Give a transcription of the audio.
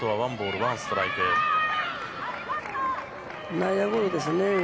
内野ゴロですよね。